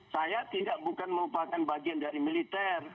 saya tidak bukan merupakan bagian dari militer